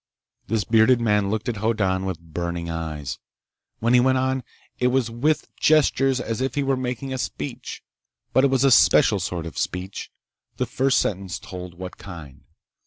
This bearded man looked at Hoddan with burning eyes. When he went on, it was with gestures as if he were making a speech, but it was a special sort of speech. The first sentence told what kind.